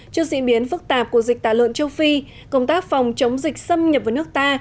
trước diễn biến phức tạp của dịch tả lợn châu phi công tác phòng chống dịch xâm nhập vào nước ta